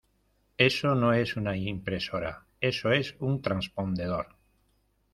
eso no es una impresora. eso es un transpondedor .